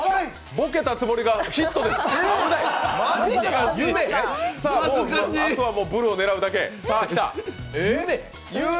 ボケたつもりが、ヒットでした。